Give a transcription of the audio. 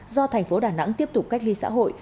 do thành phố đà nẵng tiếp tục cách ly xã hội